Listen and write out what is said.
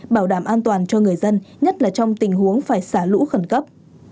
bảo đảm an toàn cho người dân nhất là trong tình huống phải xả lũ khẩn cấp